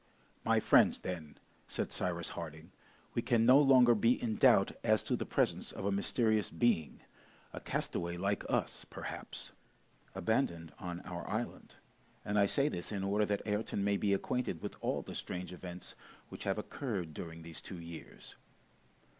"My friends, then," said Cyrus Harding, "we can no longer be in doubt as to the presence of a mysterious being, a castaway like us, perhaps, abandoned on our island, and I say this in order that Ayrton may be acquainted with all the strange events which have occurred during these two years.